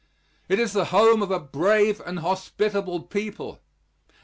It is the home of a brave and hospitable people.